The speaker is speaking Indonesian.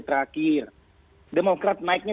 terakhir demokrat naiknya